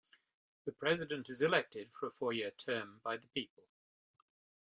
The president is elected for a four-year term by the people.